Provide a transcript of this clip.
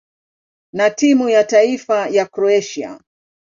na timu ya taifa ya Kroatia.